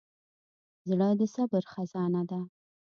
زړه د صبر خزانه ده.